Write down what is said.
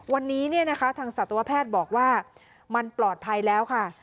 วันนี้ทางสัตวแพทย์บอกว่ามันปลอดภัยแล้วค่ะ